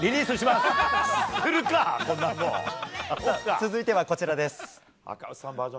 続いてはこちらです。